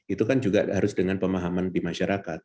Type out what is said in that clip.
itu kan juga harus dengan pemahaman di masyarakat